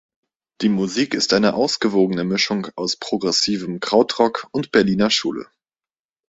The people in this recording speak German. Die Musik ist eine ausgewogene Mischung aus progressivem Krautrock und Berliner Schule.